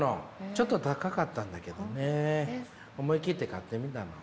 ちょっと高かったんだけどね思い切って買ってみたの。